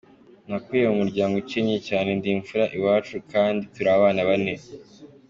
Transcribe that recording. Nakuriye mu muryango ukennye cyane, ndi imfura iwacu kandi turi abana bane.